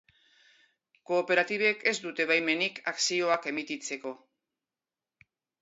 Kooperatibek ez dute baimenik akzioak emititzeko.